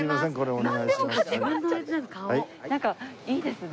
なんかいいですね。